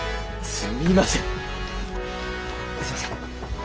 すみません。